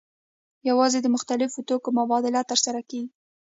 یوازې د مختلفو توکو مبادله ترسره کیږي.